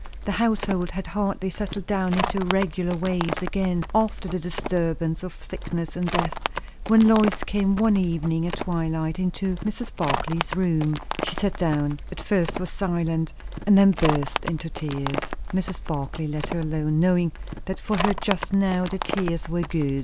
The household had hardly settled down into regular ways again after the disturbance of sickness and death, when Lois came one evening at twilight into Mrs. Barclay's room. She sat down, at first was silent, and then burst into tears. Mrs. Barclay let her alone, knowing that for her just now the tears were good.